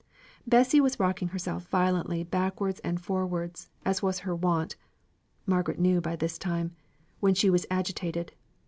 Bessy was rocking herself violently backwards and forwards, as was her wont (Margaret knew by this time) when she was agitated.